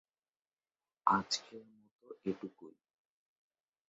আজকের মতো এটুকুই।